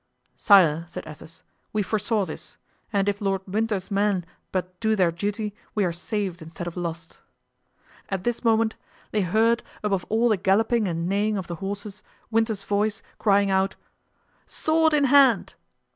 "Sire," said Athos, "we foresaw this; and if Lord Winter's men but do their duty, we are saved, instead of lost." At this moment they heard above all the galloping and neighing of the horses Winter's voice crying out: "Sword in hand!"